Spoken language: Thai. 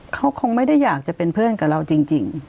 เขาคงไม่ได้อยากจะเป็นเพื่อนกับเราจริง